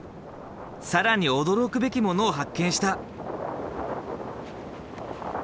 更に驚くべきものを発見した。